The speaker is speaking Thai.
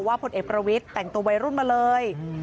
ว่าผลเอกประวิตแต่งตัววัยรุ่นมาเลย